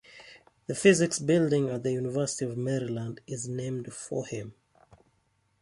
The physics building at the University of Maryland is named for him.